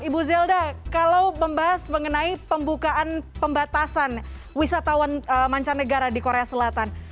ibu zelda kalau membahas mengenai pembukaan pembatasan wisatawan mancanegara di korea selatan